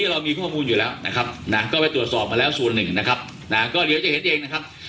๕๐ล้านบาทอย่างนี้นะครับ